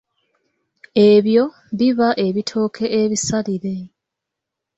Ebyo biba ebitooke ebisalire.